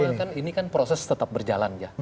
yang pertama ini kan proses tetap berjalan ya